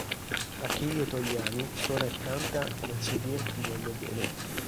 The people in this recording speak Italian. Achille Togliani suona e canta "Non so dir ti voglio bene".